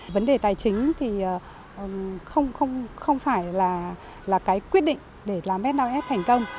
vấn đề tài chính thì không phải là cái quyết định để làm năm s thành công